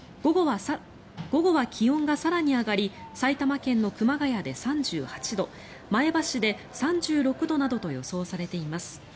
午後は気温が更に上がり埼玉県の熊谷で３８度前橋で３６度などと予想されています。